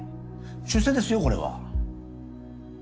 出世ですよこれは。